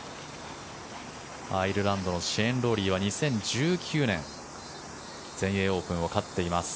アイルランドのシェーン・ロウリーは２０１９年全英オープンを勝っています。